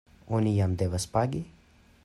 Oni jam devas pagi?